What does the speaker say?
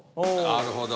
なるほど。